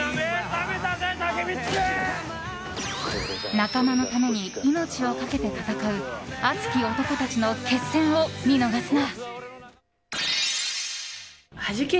仲間のために命をかけて戦う熱き男たちの決戦を見逃すな！